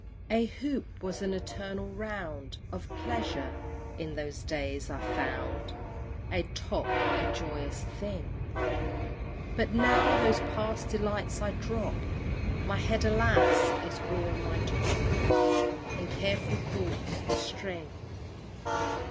II. A hoop was an eternal round Of pleasure. In those days I found A top a joyous thing; But now those past delights I drop, My head, alas! is all my top, And careful thoughts the string!